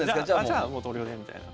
じゃあもう投了でみたいな。